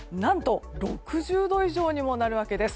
今日との差は、何と６０度以上にもなるわけです。